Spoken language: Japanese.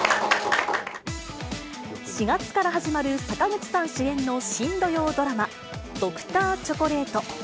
４月から始まる、坂口さん主演の新土曜ドラマ、Ｄｒ．チョコレート。